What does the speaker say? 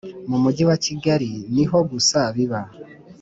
Mu Mujyi wa Kigali niho gusa biba